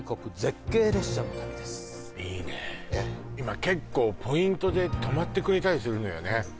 今結構ポイントで止まってくれたりするのよね